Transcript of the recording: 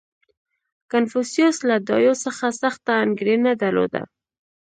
• کنفوسیوس له دایو څخه سخته انګېرنه درلوده.